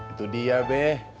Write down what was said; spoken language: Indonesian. itu dia be